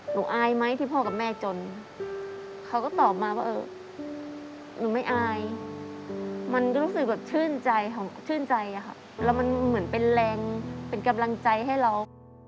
อายไหมที่พ่อกับแม่จนเขาก็ตอบมาว่าเออหนูไม่อายมันรู้สึกแบบชื่นใจชื่นใจอะค่ะแล้วมันเหมือนเป็นแรงเป็นกำลังใจให้เรา